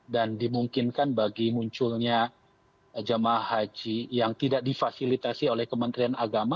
dan dimungkinkan bagi munculnya jamaah haji yang tidak difasilitasi oleh kementerian agama